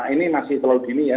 ini masih selalu begini ya